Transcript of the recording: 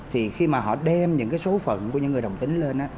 thì khi mà họ đem những cái số phận của những người đồng tính lên á